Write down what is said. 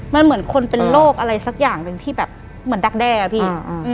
มันเหมือนคนเป็นโรคอะไรสักอย่างหนึ่งที่แบบเหมือนดักแด้อะพี่